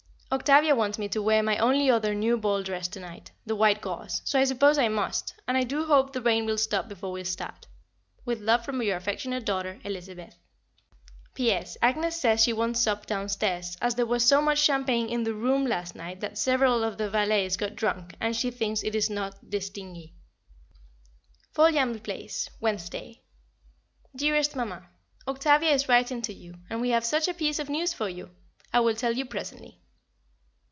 Octavia wants me to wear my only other new ball dress to night, the white gauze, so I suppose I must, and I do hope the rain will stop before we start. With love from your affectionate daughter, Elizabeth. P.S. Agnès says she won't sup downstairs, as there was so much champagne in the "room" last night that several of the valets got drunk, and she thinks it is not distingué. Foljambe Place, Wednesday. [Sidenote: Sir Hugh d'Eynecourt] Dearest Mamma, Octavia is writing to you, and we have such a piece of news for you! I will tell you presently.